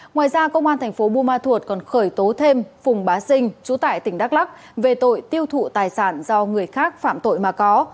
ngoài ra công an thành phố buôn ma thuột còn khởi tố thêm phùng bá sinh chú tại tỉnh đắk lắc về tội tiêu thụ tài sản do người khác phạm tội mà có